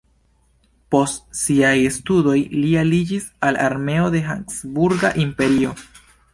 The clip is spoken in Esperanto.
Post siaj studoj li aliĝis al armeo de Habsburga Imperio.